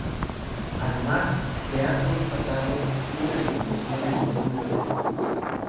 Además se ha constatado una disminución en el número de adultos.